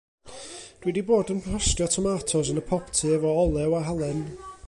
Dw i 'di bod yn rhostio tomatos yn y popdy efo olew a halen.